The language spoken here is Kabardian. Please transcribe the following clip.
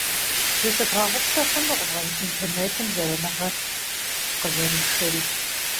Зыщыдгъэгъупщэ хъунукъым интернетым зэраныгъэ къызэришэри.